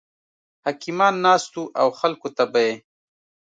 حکیمان ناست وو او خلکو ته به یې